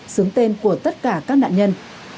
xứng tên của tất cả các nạn nhân